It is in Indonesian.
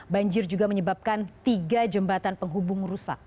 banjir juga menyebabkan tiga jembatan penghubung rusak